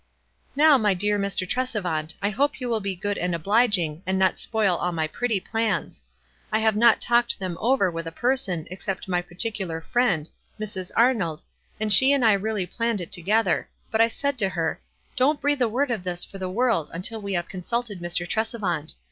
"Now, my dear Mr. Tresevant, I hope you will be good and obliging, and not spoil all my pretty plans. I have not talked them over with a person except my particular friend, Mrs. Ar nold, and she and I really planned it together; but I said to her, f Don't breathe a word of this for the world until we have consulted Mr. Tres evant.